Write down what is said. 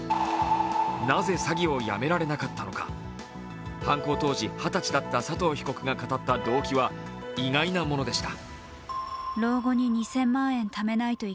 なぜ詐欺をやめられなかったのか、犯行当時、２０歳だった佐藤被告が語った動機は意外なものでした。